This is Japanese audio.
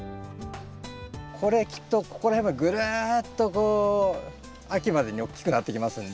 これきっとここら辺までぐるっとこう秋までにおっきくなってきますんで。